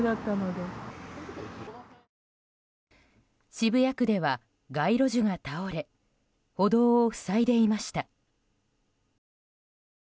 渋谷区では街路樹が倒れ歩道を塞いでいました。